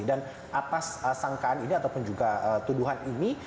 dan atas sangkaan ini ataupun juga tuduhan ini